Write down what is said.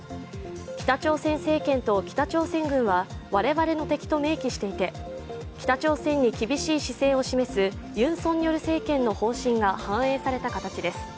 北朝鮮政権と北朝鮮軍は我々の敵と明記していて北朝鮮に厳しい姿勢を示すユン・ソンニョル政権の方針が反映された形です。